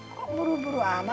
kok buru buru ama